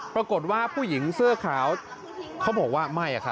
ปรากฏว่าผู้หญิงเสื้อขาวเขาบอกว่าไม่